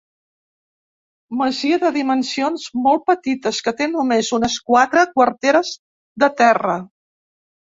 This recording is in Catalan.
Masia de dimensions molt petites que té només unes quatre quarteres de terra.